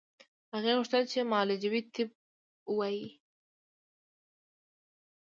هغې غوښتل چې معالجوي طب ولولي